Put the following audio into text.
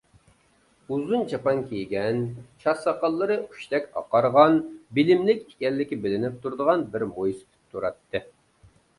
ئۇزۇن چاپان كىيگەن، چاچ-ساقاللىرى ئۇچتەك ئاقارغان، بىلىملىك ئىكەنلىكى بىلىنىپ تۇرىدىغان بىر مويسىپىت تۇراتتى.